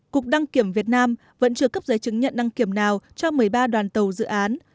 cục đăng kiểm việt nam vẫn chưa cấp giấy chứng nhận đăng kiểm nào cho một mươi ba đoàn tàu dự án